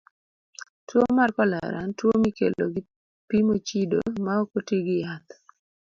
Tuwo mar kolera en tuwo mikelo gi pi mochido ma ok oti gi yath.